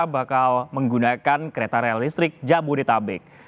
bakal menggunakan kereta rel listrik jabodetabek